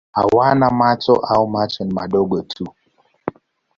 Hawana macho au macho ni madogo tu.